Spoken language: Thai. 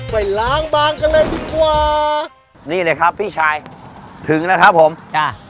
ไปล้างบางกันเลยดีกว่านี่เลยครับพี่ชายถึงนะครับผมจ้ะ